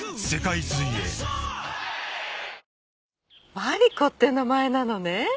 マリコって名前なのね。